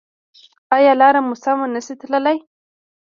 ایا لاره مو سمه نه شئ تللی؟